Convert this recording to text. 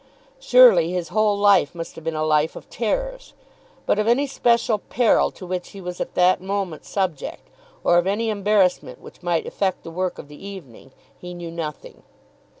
Surely his whole life must have been a life of terrors! But of any special peril to which he was at that moment subject, or of any embarrassment which might affect the work of the evening, he knew nothing.